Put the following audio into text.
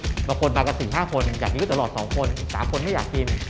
บางคนมากับสี่ห้าคนอยากกินข้าวตั๋วหลอดสองคนอีกสามคนไม่อยากกิน